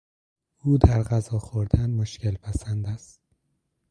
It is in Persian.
او در غذا خوردن مشکلپسند است.